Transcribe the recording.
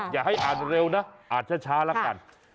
อย่าให้อ่านเร็วนะอ่านช้าละกัน